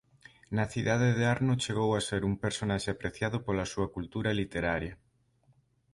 Na cidade do Arno chegou a ser un personaxe apreciado pola súa cultura literaria.